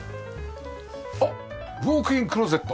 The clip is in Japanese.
あっウォークインクローゼット。